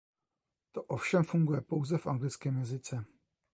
To ovšem funguje pouze v anglickém jazyce.